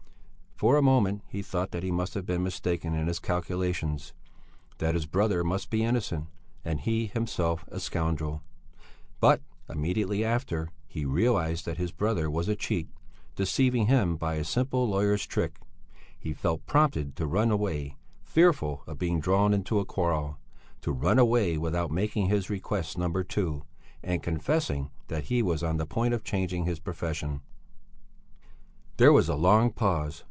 For a moment he thought that he must have been mistaken in his calculations, that his brother must be innocent and he himself a scoundrel; but immediately after he realized that his brother was a cheat, deceiving him by a simple lawyer's trick. He felt prompted to run away, fearful of being drawn into a quarrel, to run away without making his request number two, and confessing that he was on the point of changing his profession. There was a long pause.